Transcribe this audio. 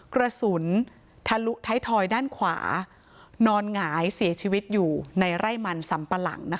กระสุนทะลุท้ายทอยด้านขวานอนหงายเสียชีวิตอยู่ในไร่มันสำปะหลัง